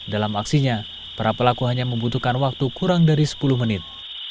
dalam aksinya para pelaku hanya membutuhkan waktu kurang dari sepuluh menit